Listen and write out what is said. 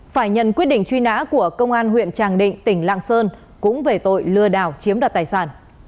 phải nhận quyết định truy nã của công an huyện tràng định tỉnh lạng sơn cũng về tội lừa đảo chiếm đoạt tài sản